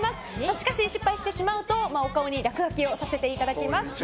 しかし失敗してしまうとお顔に落書きさせていただきます。